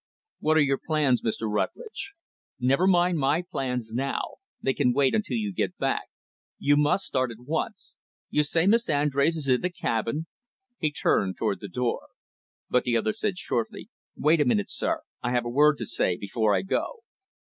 "What are your plans, Mr. Rutlidge?" "Never mind my plans, now. They can wait until you get back. You must start at once. You say Miss Andrés is in the cabin?" He turned toward the door. But the other said, shortly, "Wait a minute, sir. I have a word to say, before I go."